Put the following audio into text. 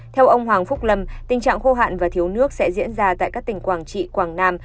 theo ông hoàng phúc lâm tình trạng khô hạn và thiếu nước sẽ diễn ra tại các tỉnh quảng trị quảng nam